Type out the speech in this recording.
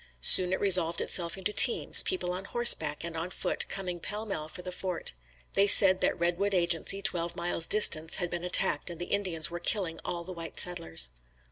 Soon it resolved itself into teams, people on horseback and on foot coming pell mell for the fort. They said that Redwood Agency, twelve miles distant, had been attacked and the Indians were killing all the white settlers.